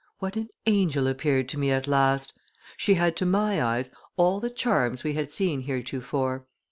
What an angel appeared to me at last! She had to my eyes all the charms we had seen heretofore.